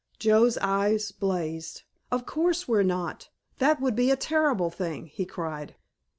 Joe's eyes blazed. "Of course we're not. That would be a terrible thing," he cried.